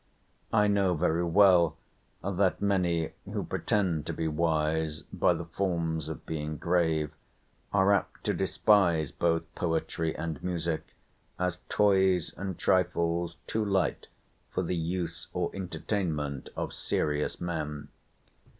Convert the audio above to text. I know very well that many who pretend to be wise by the forms of being grave, are apt to despise both poetry and music, as toys and trifles too light for the use or entertainment of serious men.